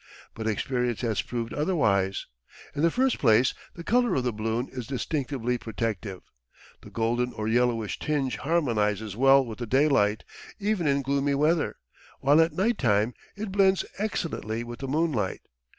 But experience has proved otherwise. In the first place the colour of the balloon is distinctly protective. The golden or yellowish tinge harmonises well with the daylight, even in gloomy weather, while at night time it blends excellently with the moonlight.